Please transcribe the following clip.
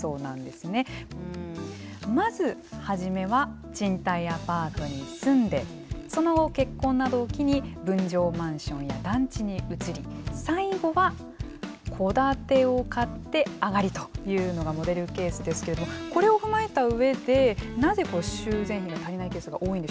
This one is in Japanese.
まず初めは賃貸アパートに住んでその後結婚などを機に分譲マンションや団地に移り最後は戸建てを買ってあがりというのがモデルケースですけれどもこれを踏まえた上でなぜ修繕費が足りないケースが多いんでしょうか久保さん。